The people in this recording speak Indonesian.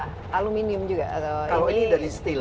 ini juga premium juga kalau ini dari steel